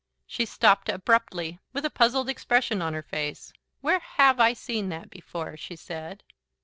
She stopped abruptly, with a puzzled expression on her face. "Where HAVE I seen that before?" she said.